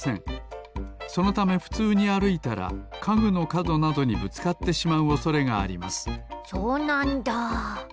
そのためふつうにあるいたらかぐのかどなどにぶつかってしまうおそれがありますそうなんだ。